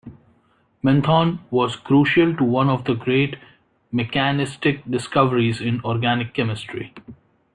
Menthone was crucial to one of the great mechanistic discoveries in organic chemistry.